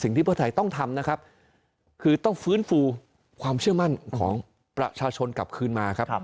ที่เพื่อไทยต้องทำนะครับคือต้องฟื้นฟูความเชื่อมั่นของประชาชนกลับคืนมาครับ